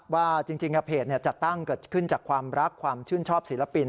ว่าจริงเพจจัดตั้งเกิดขึ้นจากความรักความชื่นชอบศิลปิน